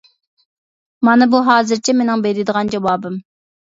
مانا بۇ ھازىرچە مېنىڭ بېرىدىغان جاۋابىم.